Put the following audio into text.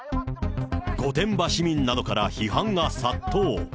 御殿場市民などから批判が殺到。